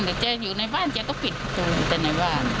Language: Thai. แจไม่ค่อยแจอยู่ในบ้านแจก็ปิดตัวในบ้าน